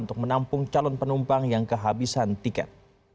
untuk menampung calon penumpang yang kehabisan tiket